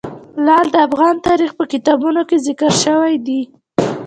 لعل د افغان تاریخ په کتابونو کې ذکر شوی دي.